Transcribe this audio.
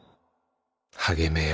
励めよ